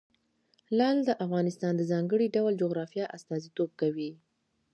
لعل د افغانستان د ځانګړي ډول جغرافیه استازیتوب کوي.